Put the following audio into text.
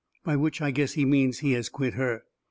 By which I guess he means he has quit her.